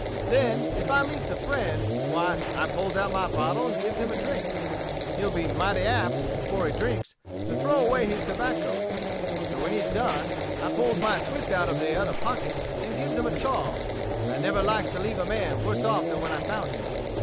Then, if I meets a friend, why, I pulls out my bottle and gives him a drink. He'll be mighty apt, before he drinks, to throw away his tobacco. So when he's done, I pulls my twist out of t'other pocket and gives him a chaw. I never likes to leave a man worse off than when I found him.